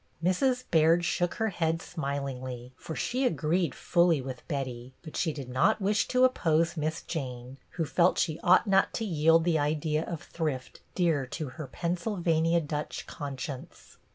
Mrs. Baird shook her head smilingly, for she agreed fully with Betty ; but she did not wish to oppose Miss Jane, who felt she ought not to yield the idea of thrift dear to her Pennsylvania Dutch conscience.